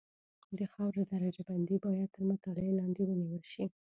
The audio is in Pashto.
د خاورې درجه بندي باید تر مطالعې لاندې ونیول شي